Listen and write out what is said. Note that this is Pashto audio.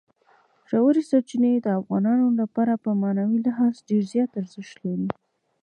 ژورې سرچینې د افغانانو لپاره په معنوي لحاظ ډېر زیات ارزښت لري.